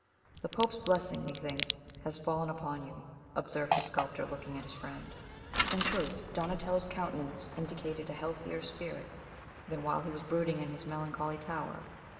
"The pope's blessing, methinks, has fallen upon you," observed the sculptor, looking at his friend. In truth, Donatello's countenance indicated a healthier spirit than while he was brooding in his melancholy tower.